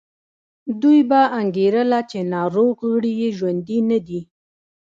دوی به انګېرله چې ناروغ غړي یې ژوندي نه دي.